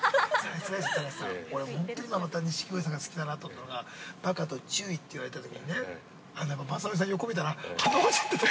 ◆隆さん、俺も本当に今また錦鯉さんが好きだなと思ったのがバカと注意って言われたときにね、まさのりさん横見たら鼻ほじってた。